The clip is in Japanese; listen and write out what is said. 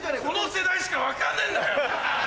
この世代しか分かんねえんだよ。